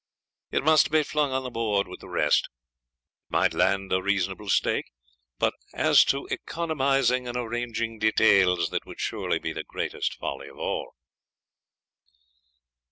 It must be flung on the board with the rest. It might land a reasonable stake. But as to economising and arranging details that would surely be the greatest folly of all.'